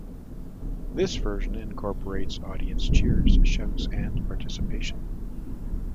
This version incorporates audience cheers, shouts, and participation.